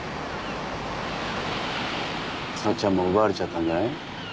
さっちゃんも奪われちゃったんじゃない？